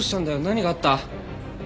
何があった？